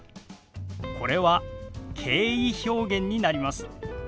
これは敬意表現になります。